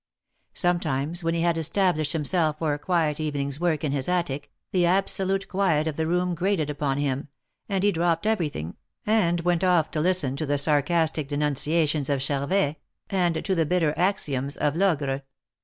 Sometimes, when he had established himself for a quiet evening's work in his attic, the absolute quiet of the room grated upon him, and he dropped everything, and went off to listen to the sarcastic denunciations of Charvet, and to the bitter axioms of Logre.